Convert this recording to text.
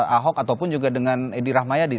ahok ataupun juga dengan edi rahmayadi